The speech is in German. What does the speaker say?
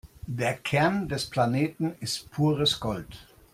Der Kern des Planeten ist pures Gold.